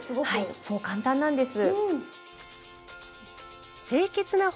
はいそう簡単なんです。